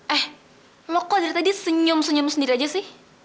eh loko dari tadi senyum senyum sendiri aja sih